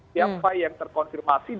siapa yang terkonfirmasi